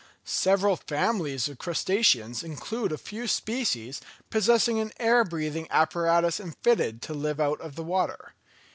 Several families of crustaceans include a few species, possessing an air breathing apparatus and fitted to live out of the water.